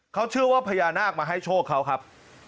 เขาเชื่อว่าพญานาคมาให้โชคเขาครับ